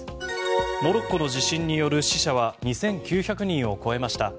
モロッコの地震による死者は２９００人を超えました。